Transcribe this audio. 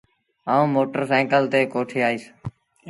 آئوٚݩ موٽر سآئيٚڪل تي ڪوٺي آئيٚس۔